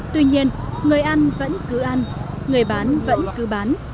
tuy nhiên người ăn vẫn cứ ăn người bán vẫn cứ bán